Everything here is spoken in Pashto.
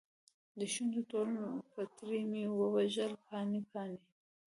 دشونډو ټول پتري مې ورژول پاڼې ، پاڼې